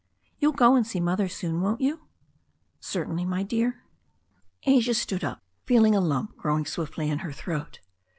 "You'll go and see Mother soon, won't you?" "Certainly, my dear." Asia stood up, feeling a lump growing swiftly in her throat.